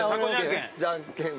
じゃんけん。